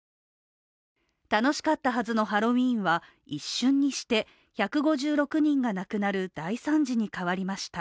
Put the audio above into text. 楽しかったはずのハロウィーンは一瞬にして１５６人が亡くなる大惨事に変わりました。